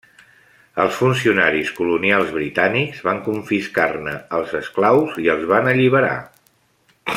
Els funcionaris colonials britànics van confiscar-ne els esclaus i els van alliberar.